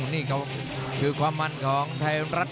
นี่ก็คือความมันของไทยรัฐ